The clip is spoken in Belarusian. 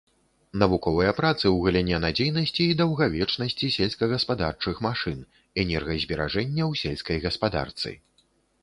Навуковыя працы ў галіне надзейнасці і даўгавечнасці сельскагаспадарчых машын, энергазберажэння ў сельскай гаспадарцы.